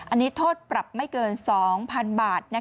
อันนี้โทษปรับไม่เกิน๒๐๐๐บาท